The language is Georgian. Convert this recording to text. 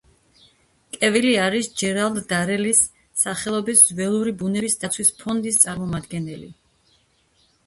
კევილი არის ჯერალდ დარელის სახელობის ველური ბუნების დაცვის ფონდის წარმომადგენელი.